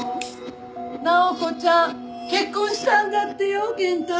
直子ちゃん結婚したんだってよ健太郎。